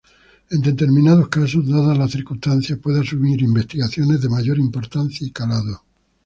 En determinados casos, dadas las circunstancias puede asumir investigaciones de mayor importancia y calado.